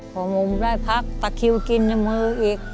พอมุมได้พักตะคิวกินในมืออีก